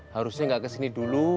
harusnya gak kesini dulu